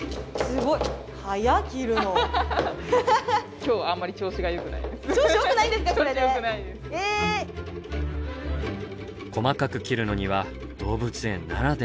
細かく切るのには動物園ならではの理由が。